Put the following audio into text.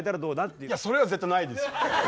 いやそれは絶対ないです。